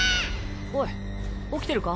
おい起きてるか？